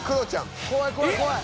怖い怖い怖い。